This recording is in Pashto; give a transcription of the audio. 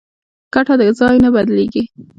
کټه د ځای نه بدلېږي.